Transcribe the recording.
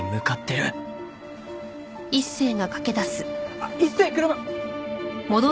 あっ一星車！